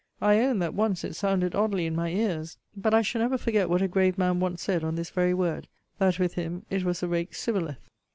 I own that once it sounded oddly in my ears. But I shall never forget what a grave man once said on this very word that with him it was a rake's sibboleth.